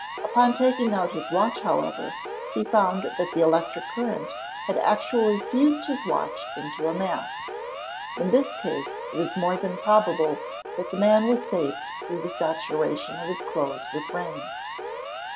Upon taking out his watch, however, he found that the electric current had actually fused his watch into a mass. In this case, it is more than probable that the man was saved through the saturation of his clothes with rain.